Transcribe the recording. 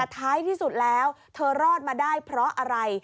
ท้ายที่สุดแล้วเธอรอดมาได้เพราะอะไร